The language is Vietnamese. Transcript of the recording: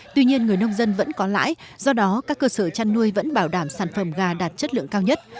tuy nhiên người nông dân vẫn có lãi do đó các cơ sở chăn nuôi vẫn bảo đảm sản phẩm gà đạt chất lượng cao nhất